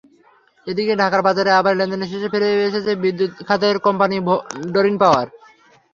এদিকে ঢাকার বাজারে আবার লেনদেনের শীর্ষে ফিরে এসেছে বিদ্যুৎ খাতের কোম্পানি ডরিন পাওয়ার।